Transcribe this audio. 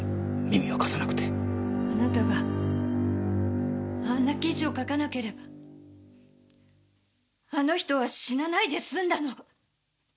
あなたがあんな記事を書かなければあの人は死なないですんだの。